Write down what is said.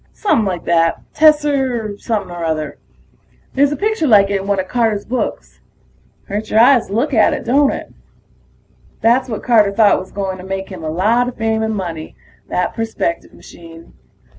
Somepin' like that tesser something or other. There's a picture like it in one of Carter's books. Hurts your eyes to look at it, don't it? That's what Carter thought was going to make him a lot of fame and money, that perspective machine.